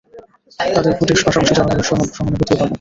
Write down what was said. তাদের ভোটের পাশাপাশি জনগণের সহানুভূতিও পাবো।